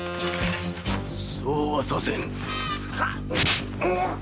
そうはさせん。